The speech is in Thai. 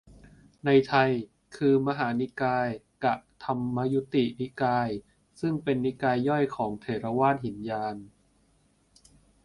ในไทย คือ มหานิกาย กะ ธรรมยุตินิกาย ซึ่งต่างก็เป็นนิกายย่อยของ เถรวาท หินยาน